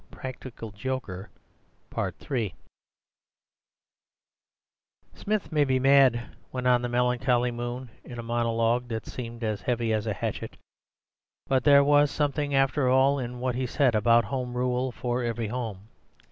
you aren't really going to admit—" "Smith may be mad," went on the melancholy Moon in a monologue that seemed as heavy as a hatchet, "but there was something after all in what he said about Home Rule for every home.